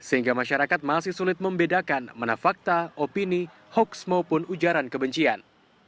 sehingga masyarakat masih sulit membedakan mana fakta opini hoax maupun ujaran kebencian